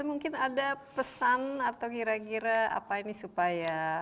mungkin ada pesan atau kira kira apa ini supaya